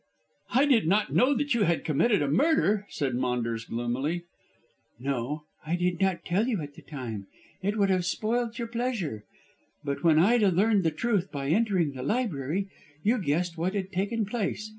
"I did not know that you had committed a murder," said Maunders gloomily. "No, I did not tell you at the time: it would have spoilt your pleasure. But when Ida learned the truth by entering the library you guessed what had taken place.